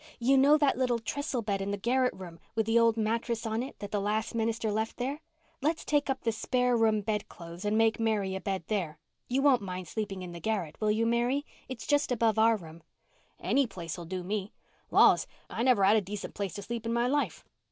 You know that little trestle bed in the garret room, with the old mattress on it, that the last minister left there? Let's take up the spare room bedclothes and make Mary a bed there. You won't mind sleeping in the garret, will you, Mary? It's just above our room." "Any place'll do me. Laws, I never had a decent place to sleep in my life.